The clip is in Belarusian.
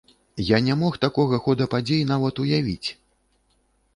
Я не мог такога хода падзей нават уявіць.